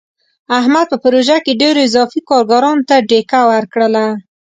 احمد په پروژه کې ډېرو اضافي کارګرانو ته ډیکه ورکړله.